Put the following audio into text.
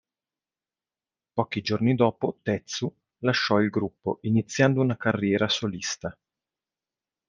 Pochi giorni dopo, Tetsu lasciò il gruppo iniziando una carriera solista.